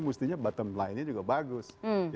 mestinya bottom line nya juga bagus